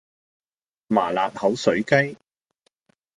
麻辣口水雞